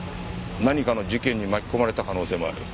何かの事件に巻き込まれた可能性もある。